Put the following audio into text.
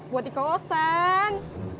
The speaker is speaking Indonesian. buat ikan ozan